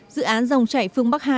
dự án dòng chảy phương bắc hai